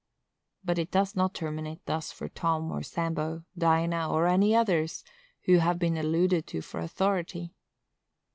But it does not terminate thus for Tom or Sambo, Dinah, or any others who have been alluded to for authority.